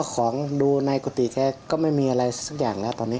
ของดูในกุฏิแกก็ไม่มีอะไรสักอย่างแล้วตอนนี้